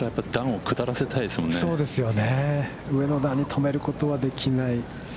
上の段に止めることはできない。